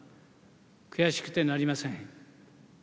悔しくてなりません。